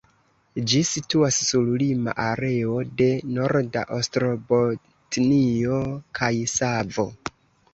Ĝi situas sur lima areo de Norda Ostrobotnio kaj Savo.